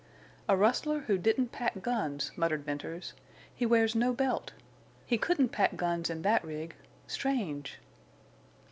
"A rustler who didn't pack guns!" muttered Venters. "He wears no belt. He couldn't pack guns in that rig.... Strange!"